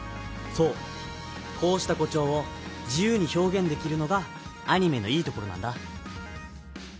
そうこうした誇張を自由に表現できるのがアニメのいいところなんだ。